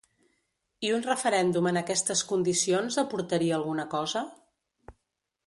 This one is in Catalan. I un referèndum en aquestes condicions aportaria alguna cosa?